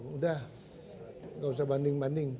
udah gak usah banding banding